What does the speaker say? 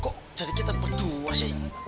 kok jadi kita berdua sih